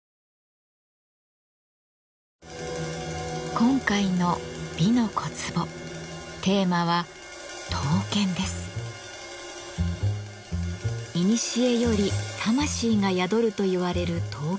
今回の「美の小壺」テーマはいにしえより魂が宿るといわれる刀剣。